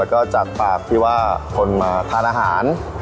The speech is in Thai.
แล้วก็จากปากที่ว่าคนมาทานอาหาร